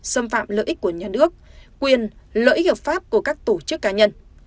xâm phạm lợi ích của nhà nước quyền lợi ích hợp pháp của các tổ chức cá nhân